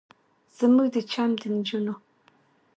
زموږ د چم د نجونو